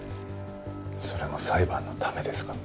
それも裁判のためですか？